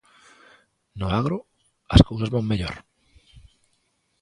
No agro as cousas van mellor.